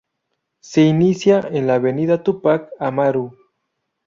Se inicia en la avenida Túpac Amaru.